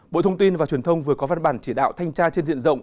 bộ thông tin và truyền thông vừa có văn bản chỉ đạo thanh tra trên diện rộng